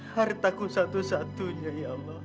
hartaku satu satunya ya allah